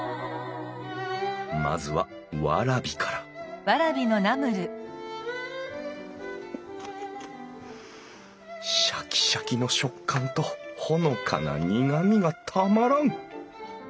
まずはワラビからシャキシャキの食感とほのかな苦味がたまらん！